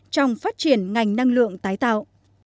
trong phát triển ngành năng lượng tái tạo